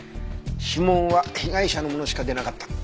指紋は被害者のものしか出なかった。